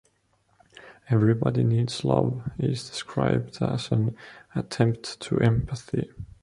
"Everybody Needs Love" is described as an "attempt to empathy".